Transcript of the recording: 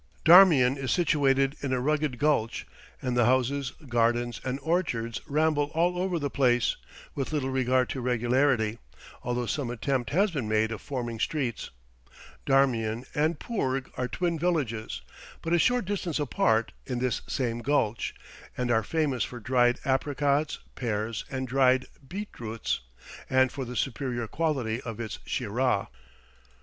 Darmian is situated in a rugged gulch, and the houses, gardens, and orchards ramble all over the place with little regard to regularity, although some attempt has been made at forming streets. Darmian and Poorg are twin villages, but a short distance apart, in this same gulch, and are famous for dried apricots, pears, and dried beetroots, and for the superior quality of its sheerah.